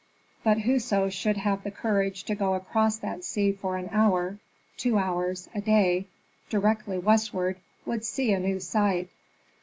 But whoso should have the courage to go across that sea for an hour, two hours, a day, directly westward would see a new sight.